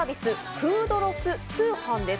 ・フードロス通販です。